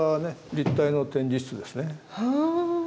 立体の展示室ですね。